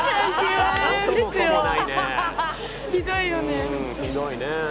うんひどいねえ。